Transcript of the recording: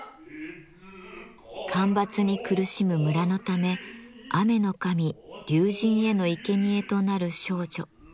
干ばつに苦しむ村のため雨の神竜神へのいけにえとなる少女。